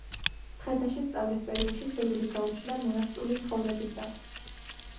მცხეთაში სწავლის პერიოდში სურვილი გაუჩნდა მონასტრული ცხოვრებისა.